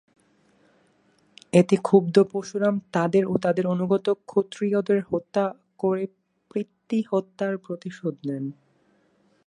এতে ক্ষুব্ধ পরশুরাম তাদের ও তাদের অনুগত ক্ষত্রিয়দের হত্যা করে পিতৃহত্যার প্রতিশোধ নেন।